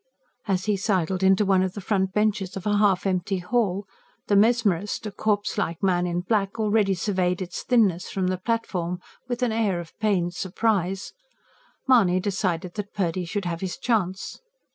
As he sidled into one of the front benches of a half empty hall the mesmerist, a corpse like man in black, already surveyed its thinness from the platform with an air of pained surprise Mahony decided that Purdy should have his chance.